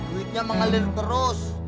duitnya mengalir terus